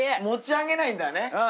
持ち上げないんだね。